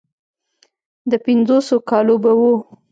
د پينځوسو کالو به و.